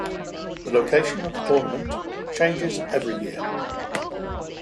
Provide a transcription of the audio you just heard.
The location of the tournament changes every year.